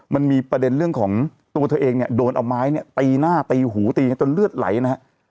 มันมีประเด็นเรื่องของตัวเธอเองเนี่ยโดนเอาไม้เนี่ยตีหน้าตีหูตีกันจนเลือดไหลนะฮะ